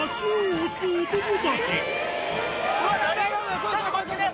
そこでちょっとこっち来て！